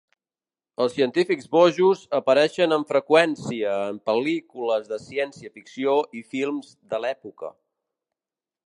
Els científics bojos apareixen amb freqüència en pel·lícules de ciència ficció i films de l'època.